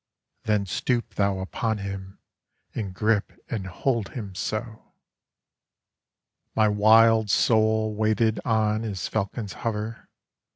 Then stoop thou upon him, and grip and hold him so!"My wild soul waited on as falcons hover.